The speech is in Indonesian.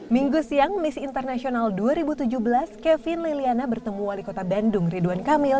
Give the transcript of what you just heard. minggu siang miss international dua ribu tujuh belas kevin liliana bertemu wali kota bandung ridwan kamil